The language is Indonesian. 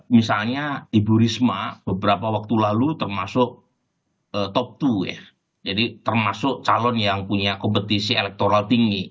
misalnya ibu risma beberapa waktu lalu termasuk top dua ya jadi termasuk calon yang punya kompetisi elektoral tinggi